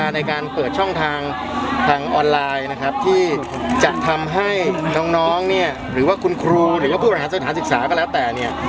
ในการเปิดช่องทางออนไลน์ที่จะทำให้น้องหรือว่าคุณครูหรือผู้บริหารสถานศึกษาก็แล้วแต่